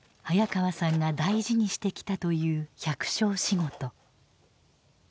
早川さんが大事にしてきたという百姓仕事。